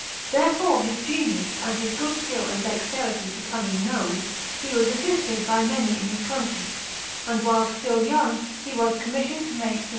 Therefore, his genius and his good skill and dexterity becoming known, he was assisted by many in his country, and while still young he was commissioned to make for S.